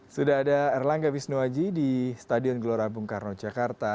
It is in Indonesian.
sudah ada erlangga wisnuwaji di stadion gelora bungkarno jakarta